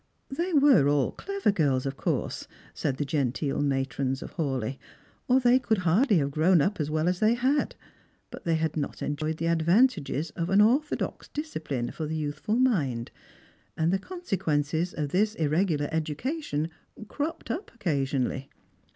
They were all clever girls, of course, said the genteel matrons of Hawleigh, or they could hardly have grown up as well as they had ; but they had not enjoyed the advantages of the orthodox discipline for the youthful mind, and the consequences of this irregular education cropped up occasionally.